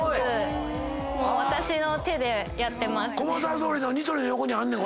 私の手でやってます。